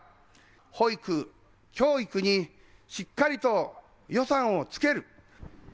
保育、教育にしっかりと予算をつける。